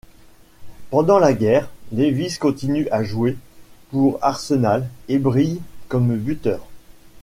Pendant la guerre, Lewis continue à jouer pour Arsenal et brille comme buteur.